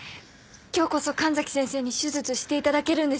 今日こそ神崎先生に手術して頂けるんですよね？